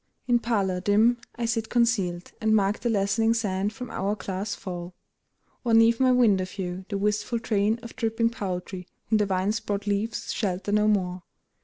In parlour dim I sit concealed, And mark the lessening sand from hour glass fall; Or 'neath my window view the wistful train Of dripping poultry, whom the vine's broad leaves Shelter no more.